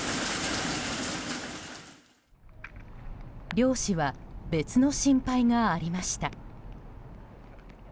漁師は別の心配がありました。